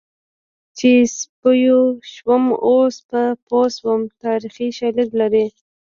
چې سیپو شومه اوس په پوه شومه تاریخي شالید لري